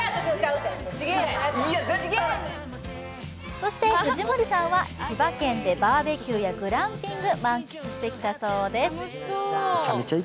そして、藤森さんは千葉県でバーベキューやグランピングを満喫してきたそうです。